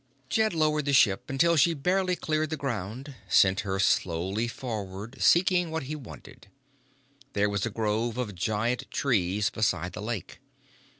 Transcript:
Jed lowered the ship until she barely cleared the ground, sent her slowly forward seeking what he wanted. There was a grove of giant trees beside the lake.